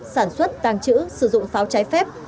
sản xuất tàng trữ sử dụng pháo trái phép